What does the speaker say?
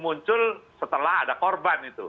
muncul setelah ada korban itu